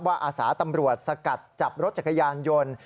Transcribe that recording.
อาสาตำรวจสกัดจับรถจักรยานยนต์